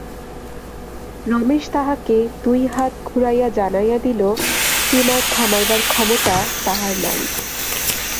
রমেশ তাহাকে দুই হাত ঘুরাইয়া জানাইয়া দিল, স্টীমার থামাইবার ক্ষমতা তাহার নাই।